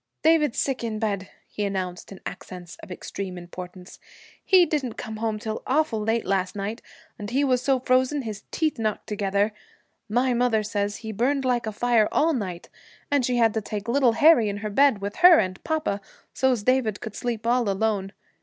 'David's sick in bed,' he announced in accents of extreme importance. 'He didn't come home till awful late last night, and he was so frozen, his teeth knocked together. My mother says he burned like a fire all night, and she had to take little Harry in her bed, with her and papa, so's David could sleep all alone.